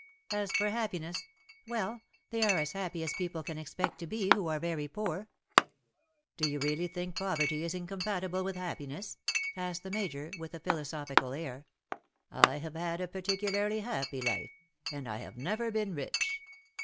As for happiness — well, they are as happy as people can expect to be who are very poor V '^ Do you really think poverty is incompatible with happiness ?^^ asked the I\Iajoi% with a philo sophical air ;^' I have had a particularly happy life, and I have never been rich.